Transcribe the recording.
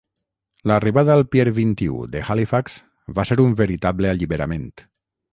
L'arribada al Pier vint-i-u de Halifax va ser un veritable alliberament.